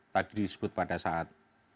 tadi disebut pada saat